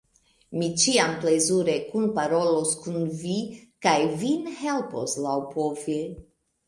Mi ĉiam plezure kunparolos kun vi kaj vin helpos laŭpove.